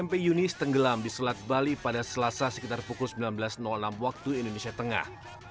mp yunis tenggelam di selat bali pada selasa sekitar pukul sembilan belas enam waktu indonesia tengah